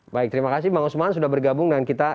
baik terima kasih bang usman sudah bergabung dengan kita